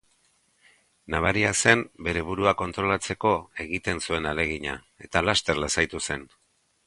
Nabaria zen bere burua kontrolatzeko egiten zuen ahalegina, eta laster lasaitu zen.